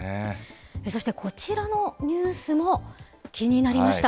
そしてこちらのニュースも気になりました。